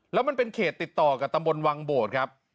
แล้วมันเป็นเขตติดต่อกับตำบลวังโบดครับ